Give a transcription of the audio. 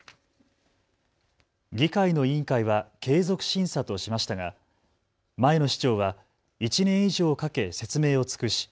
議会の委員会は継続審査としましたが前の市長は１年以上かけ説明を尽くし